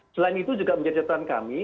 selain itu juga menjajakan kami